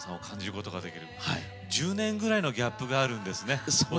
１０年ぐらいのギャップがあるんですね。